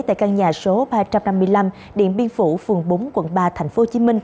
tại căn nhà số ba trăm năm mươi năm điện biên phủ phường bốn quận ba tp hcm